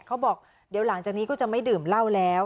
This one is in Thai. เขาบอกเดี๋ยวหลังจากนี้ก็จะไม่ดื่มเหล้าแล้ว